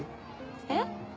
えっ？